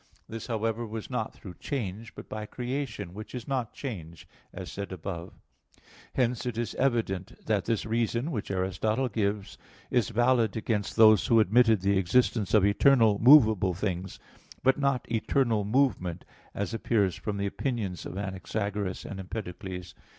This, however, was not through change, but by creation, which is not change, as said above (Q. 45, A. 2, ad 2). Hence it is evident that this reason, which Aristotle gives (Phys. viii), is valid against those who admitted the existence of eternal movable things, but not eternal movement, as appears from the opinions of Anaxagoras and Empedocles.